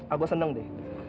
aku seneng deh